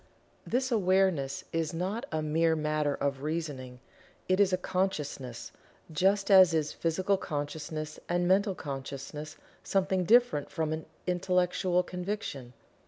This awareness is not a mere matter of reasoning it is a "consciousness," just as is Physical Consciousness and Mental Consciousness something different from an "intellectual conviction."